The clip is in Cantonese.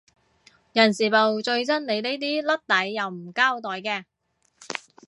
人事部最憎你呢啲甩底又唔交代嘅